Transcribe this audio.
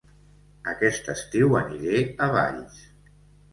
Aquest estiu aniré a Valls